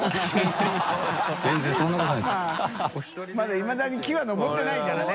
泙いまだに木は登ってないからね。